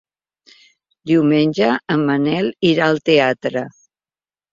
Diumenge en Manel irà al teatre.